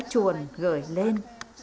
cá chuồn gửi xuống cá chuồn gửi lên